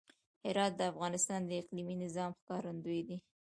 هرات د افغانستان د اقلیمي نظام ښکارندوی دی.